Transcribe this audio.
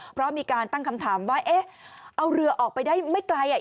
เพราะมีการตั้งคำถามว่าเอ๊ะเอาเรือออกไปได้ไม่ไกลอ่ะ